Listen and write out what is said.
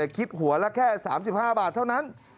คิดหัวละแค่๓๕บาทเท่านั้น